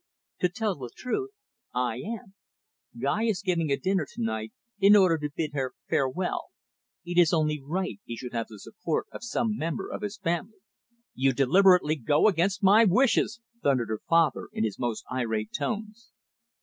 "To tell the truth, I am. Guy is giving a dinner to night, in order to bid her farewell. It is only right he should have the support of some member of his family." "You deliberately go against my wishes," thundered her father, in his most irate tones.